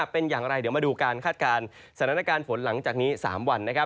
เป็นอย่างไรเดี๋ยวมาดูการคาดการณ์สถานการณ์ฝนหลังจากนี้๓วัน